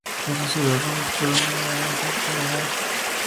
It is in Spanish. Es una ciudad en donde predomina la multiculturalidad por la migración constante.